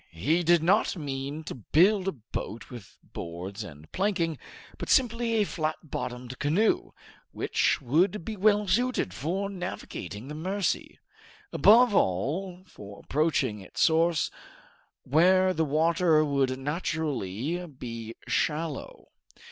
He did not mean to build a boat with boards and planking, but simply a flat bottomed canoe, which would be well suited for navigating the Mercy above all, for approaching its source, where the water would naturally be shallow.